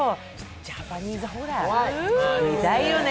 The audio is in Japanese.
ジャパニーズホラー、見たいよね。